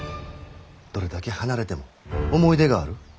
どれだけ離れても思い出がある。